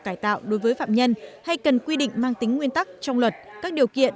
cải tạo đối với phạm nhân hay cần quy định mang tính nguyên tắc trong luật các điều kiện